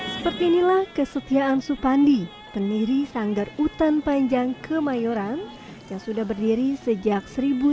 seperti inilah kesetiaan supandi pendiri sanggar utan panjang kemayoran yang sudah berdiri sejak seribu sembilan ratus sembilan puluh